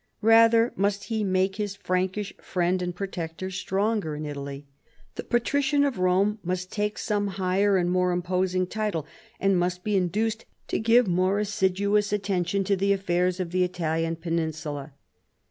Rather must he make his Prankish friend and protector stronger in Italy. The Patrician of Rome must take some higher and more imposing title, and must be induced to give more assiduous attention to the affairs of the Italian peninsula.